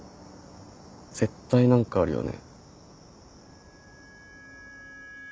絶対何かあるよね。